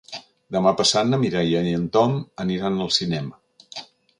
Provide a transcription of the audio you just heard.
Demà passat na Mireia i en Tom aniran al cinema.